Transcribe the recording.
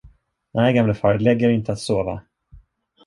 Nej, gamlefar, lägg er inte att sova!